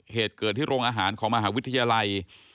เหตุเกิดที่โรงอาหารของมหาวิทยาลัย